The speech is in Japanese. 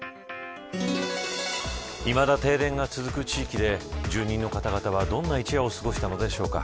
いまだ停電が続く地域で住民の方々はどんな一夜を過ごしたのでしょうか。